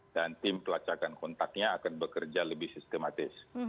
dan tim pelacakan kontaknya akan bekerja lebih sistematis